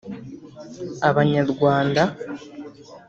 Abanyarwanda